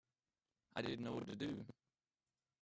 I didn't know what to do.